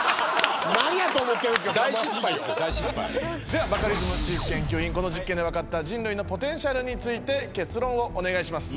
ではバカリズムチーフ研究員この実験で分かった人類のポテンシャルについて結論をお願いします。